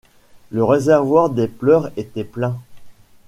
Le réservoir des pleurs était plein.